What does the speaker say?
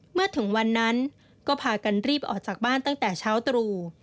เมื่อถึงวันนั้นก็พากันรีบออกจากบ้านตั้งแต่เช้าตรู่